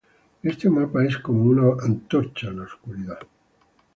Este mapa es como una antorcha en la oscuridad.